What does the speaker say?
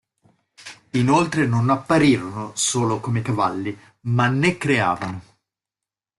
Inoltre non apparirono solo come cavalli, ma ne creavano.